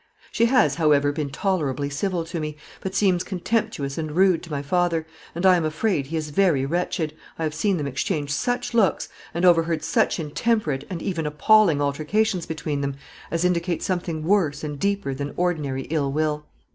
She has, however, been tolerably civil to me, but seems contemptuous and rude to my father, and I am afraid he is very wretched, I have seen them exchange such looks, and overheard such intemperate and even appalling altercations between them, as indicate something worse and deeper than ordinary ill will.